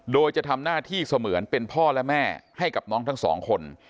โดยจะทำหน้าที่เสมือนเป็นพ่อและแม่ให้กับน้องทั้งสองคน